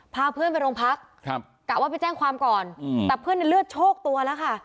พาเพื่อนไปโรงพักครับกะว่าไปแจ้งความก่อนแต่เพื่อนในเลือดโชคตัวแล้วค่ะ